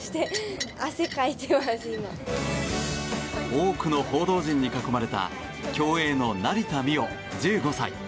多くの報道陣に囲まれた競泳の成田実生、１５歳。